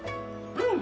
うん！